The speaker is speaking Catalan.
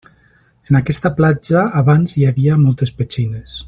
En aquesta platja, abans hi havia moltes petxines.